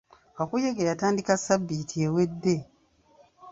Kakuyege yatandika sabbiiti ewedde.